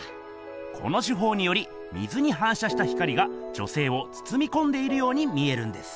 この手ほうにより水にはんしゃした光が女せいをつつみこんでいるように見えるんです。